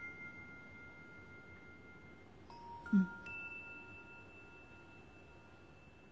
うん。